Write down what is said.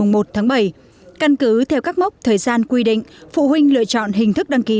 từ ngày một tháng bảy căn cứ theo các mốc thời gian quy định phụ huynh lựa chọn hình thức đăng ký